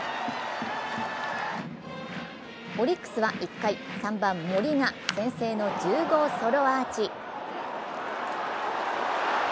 オリックスは１回、３番・森が先制の１０号ソロアーチ。